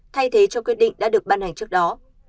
thay thế cho quyết định đã được ban hành trước đó